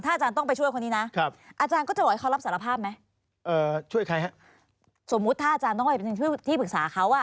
อาจารย์ต้องไปช่วยคนนี้นะครับอาจารย์ก็จะบอกให้เขารับสารภาพไหมเอ่อช่วยใครฮะสมมุติถ้าอาจารย์ต้องไปเป็นที่ปรึกษาเขาอ่ะ